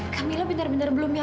kamila benar benar belum yakin